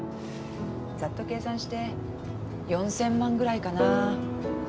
ざっと計算して４，０００万ぐらいかな。